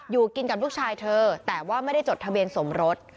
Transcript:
อยู่กินกับลูกชายเธอแต่ว่าไม่ได้จดทะเบียนสมรส